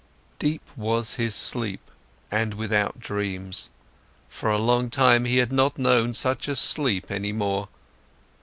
Deep was his sleep and without dreams, for a long time he had not known such a sleep any more.